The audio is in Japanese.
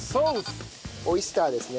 オイスターですね。